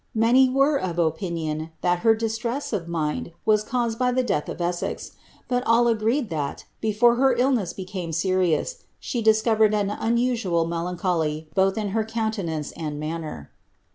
Many were of opinion that her distress of mind was caused by the death of Essex ; but all agreed, that, before her illness became serious, she discovered an unusual melancholy, both in her countenance and man ner.''